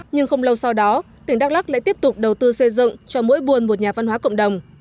nhưng không lâu sau đó tỉnh đắk lắc lại tiếp tục đầu tư xây dựng cho mỗi buôn một nhà văn hóa cộng đồng